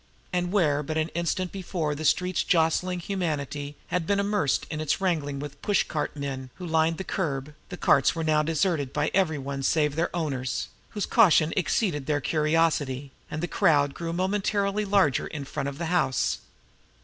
And where but an instant before the street's jostling humanity had been immersed in its wrangling with the push cart men who lined the curb, the carts were now deserted by every one save their owners, whose caution exceeded their curiosity and the crowd grew momentarily larger in front of the house.